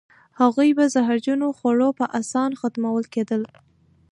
هغوی به په زهرجنو خوړو په اسانه ختمول کېدل.